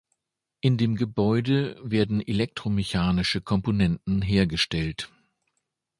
In dem Gebäude werden elektromechanische Komponenten hergestellt.